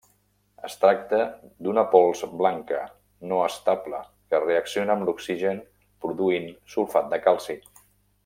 Es tracta d'una pols blanca, no estable que reacciona amb l'oxigen produint sulfat de calci.